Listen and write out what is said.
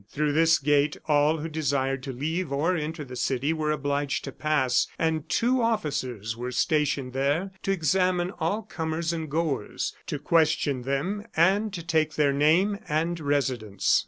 Through this gate all who desired to leave or enter the city were obliged to pass, and two officers were stationed there to examine all comers and goers, to question them, and to take their name and residence.